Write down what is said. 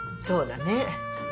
そうだね